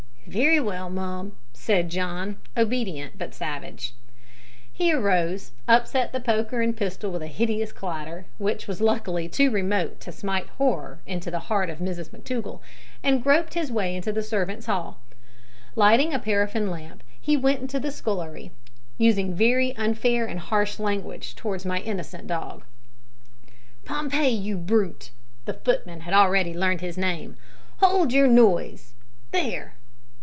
"Very well, mum," said John, obedient but savage. He arose, upset the poker and pistol with a hideous clatter, which was luckily too remote to smite horror into the heart of Mrs McTougall, and groped his way into the servants' hall. Lighting a paraffin lamp, he went to the scullery, using very unfair and harsh language towards my innocent dog. "Pompey, you brute!" the footman had already learned his name "hold your noise. There!"